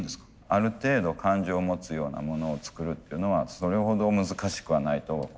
ある程度感情を持つようなものを作るっていうのはそれほど難しくはないと僕は思ってます。